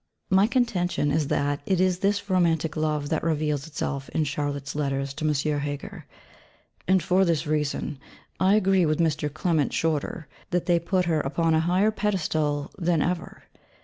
_ My contention is that it is this romantic Love that reveals itself in Charlotte's letters to M. Heger. And for this reason, I agree with Mr. Clement Shorter that they put her upon a higher pedestal than ever.